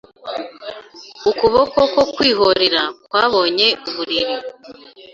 Ukuboko koKwihorera kwabonye uburiri